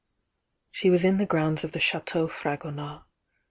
She was in the grounds of the Chateau Fragonard.